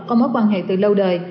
có mối quan hệ từ lâu đời